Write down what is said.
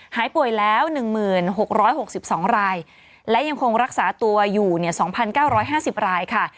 หายป่วยแล้ว๑๖๖๒รายและยังคงรักษาตัวอยู่๒๙๕๐รายค่ะ